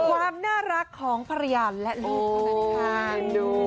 ความน่ารักของภรรยาและลูกเท่านั้นค่ะ